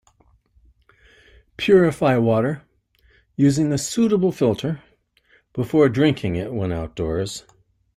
Purify water using a suitable filter before drinking it when outdoors.